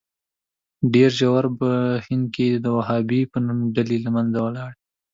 ډېر ژر په هند کې د وهابي په نوم ډلې له منځه ولاړې.